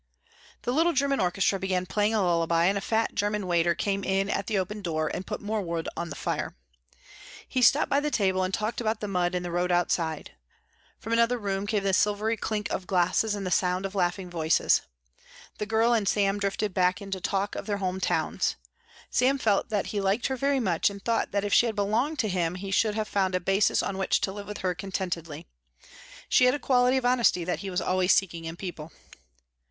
The little German orchestra began playing a lullaby, and a fat German waiter came in at the open door and put more wood on the fire. He stopped by the table and talked about the mud in the road outside. From another room came the silvery clink of glasses and the sound of laughing voices. The girl and Sam drifted back into talk of their home towns. Sam felt that he liked her very much and thought that if she had belonged to him he should have found a basis on which to live with her contentedly. She had a quality of honesty that he was always seeking in people.